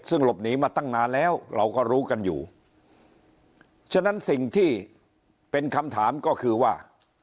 ซึ่งหลบหนีมาตั้งนานแล้วเราก็รู้กันอยู่ฉะนั้นสิ่งที่เป็นคำถามก็คือว่า